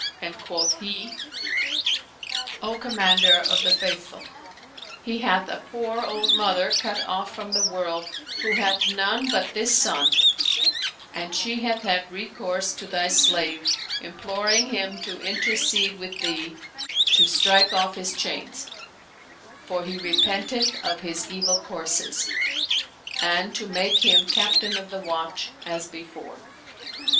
" and quoth he, " O Commander of the Faith ful, he hath a poor old mother cut off from the world who hath none but this son and she hath had recourse to thy slave, imploring him to intercede with thee to strike off his chains, for he repenteth of his evil courses; and to make him Captain of the Watch as before."